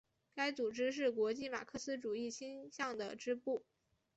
该组织是国际马克思主义倾向的支部。